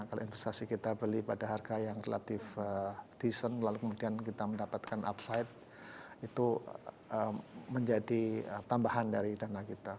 kalau investasi kita beli pada harga yang relatif decent lalu kemudian kita mendapatkan upside itu menjadi tambahan dari dana kita